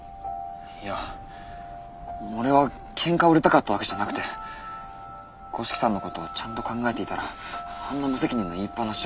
いや俺はけんかを売りたかったわけじゃなくて五色さんのことをちゃんと考えていたらあんな無責任な言いっ放しは。